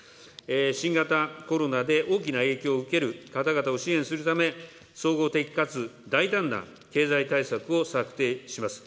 新型コロナで大きな影響を受ける方々を支援するため、総合的かつ大胆な経済対策を策定します。